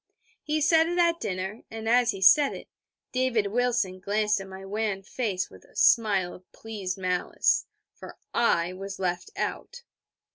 He said it at dinner; and as he said it, David Wilson glanced at my wan face with a smile of pleased malice: for I was left out.